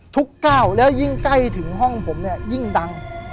ก้าวแล้วยิ่งใกล้ถึงห้องผมเนี่ยยิ่งดัง